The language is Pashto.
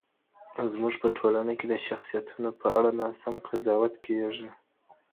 زمونږ په ټولنه کي د شخصیتونو په اړه ناسم قضاوت کېږي.